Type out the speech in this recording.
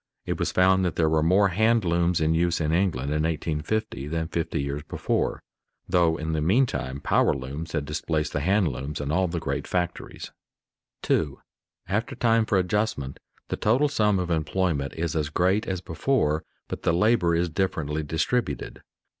It was found that there were more hand looms in use in England in 1850 than fifty years before, though in the meantime power looms had displaced the hand looms in all the great factories. [Sidenote: Error of the "lump of labor" notion] 2. _After time for adjustment, the total sum of employment is as great as before, but the labor is differently distributed.